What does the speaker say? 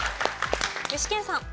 具志堅さん。